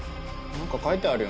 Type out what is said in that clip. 何か書いてある。